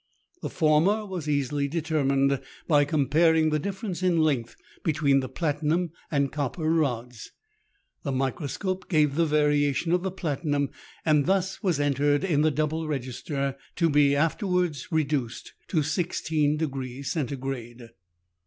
The former was easily determined by comparing the difference in length between the platinum and copper rods. The microscope gave the variation of the platinum, and this was entered in the double register, to be after wards reduced to 16° Centigrade.